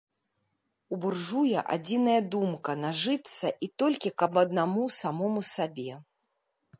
У буржуя адзіная думка нажыцца і толькі каб аднаму, самому сабе.